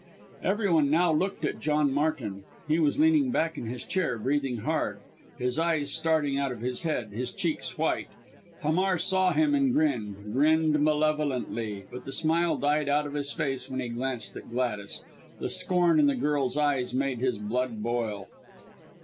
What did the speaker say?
Everyone now looked at John Martin he was leaning back in his chair, breathing hard, his eyes starting out of his head, his cheeks white. Hamar saw him and grinned, grinned malevolently, but the smile died out of his face when he glanced at Gladys the scorn in the girl's eyes made his blood boil.